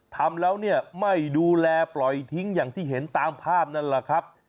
ทำแล้วเนี่ยไม่ดูแลปล่อยทิ้งอย่างที่เห็นตามภาพนั่นแหละครับ